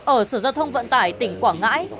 ở sở giao thông vận tải tỉnh quảng ngãi